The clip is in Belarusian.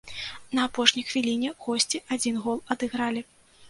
На апошняй хвіліне госці адзін гол адыгралі.